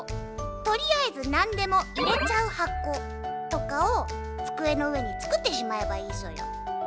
「とりあえずなんでも入れちゃう箱」とかを机の上に作ってしまえばいいソヨ。